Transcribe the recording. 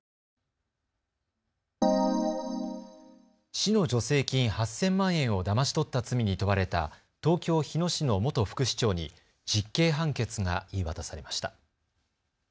市の助成金８０００万円をだまし取った罪に問われた東京日野市の元副市長に実刑判決が言い渡されました。